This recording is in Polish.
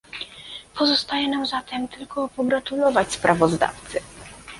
Pozostaje nam zatem tylko pogratulować sprawozdawcy